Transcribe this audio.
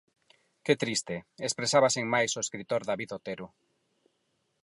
Que triste, expresaba sen máis o escritor David Otero.